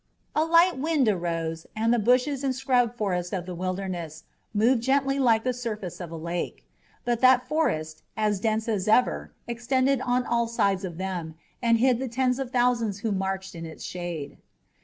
A light wind arose and the bushes and scrub forest of the Wilderness moved gently like the surface of a lake. But that forest, as dense as ever, extended on all sides of them and hid the tens of thousands who marched in its shade.